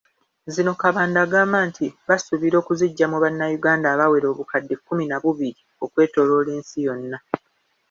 Zino Kabanda agamba nti basuubira okuziggya mu bannayuganda abawera obukadde kkumi na bubiri okwetoloola ensi yonna.